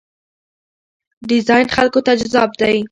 ډیزاین خلکو ته جذاب دی.